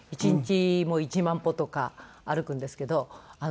１日１万歩とか歩くんですけど。